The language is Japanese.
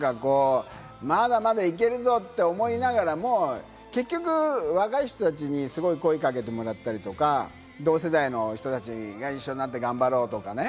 まだまだいけるぞって思いながらも、結局、若い人たちに声かけてもらったりとか、同世代の人たちが一緒になって頑張ろうとかね。